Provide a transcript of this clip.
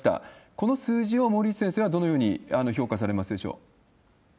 この数字を森内先生はどのように評価されますでしょう？